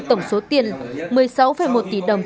tổng số tiền một mươi sáu một tỷ đồng